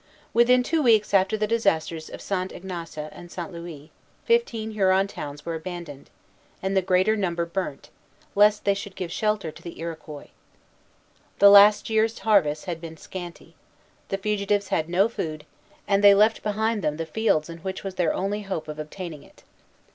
Within two weeks after the disasters of St. Ignace and St. Louis, fifteen Huron towns were abandoned, and the greater number burned, lest they should give shelter to the Iroquois. The last year's harvest had been scanty; the fugitives had no food, and they left behind them the fields in which was their only hope of obtaining it.